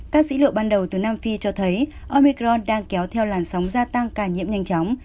các dữ liệu ban đầu từ nam phi cho thấy omicron đang kéo theo làn sóng gia tăng ca nhiễm nhanh chóng